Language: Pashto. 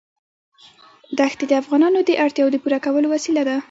ښتې د افغانانو د اړتیاوو د پوره کولو وسیله ده.